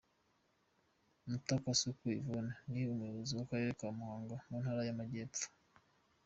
Mutakwasuku Yvonne ni umuyobozi w’Akarere ka Muhanga, mu Ntara y’Amajyepfo.